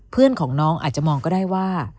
เพื่อนของน้องอาจจะมองก็ได้ว่า